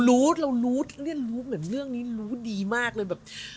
รู้เรารู้เรียนรู้เหมือนเรื่องนี้รู้ดีมากเลยแบบ